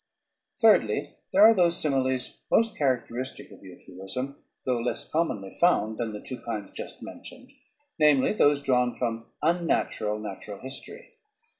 Thirdly, there are those similes most characteristic of euphuism, though less commonly found than the two kinds just mentioned, namely, those drawn from "unnatural natural history."